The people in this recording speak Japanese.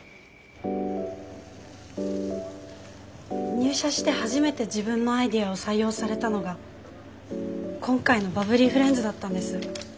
入社して初めて自分のアイデアを採用されたのが今回のバブリーフレンズだったんです。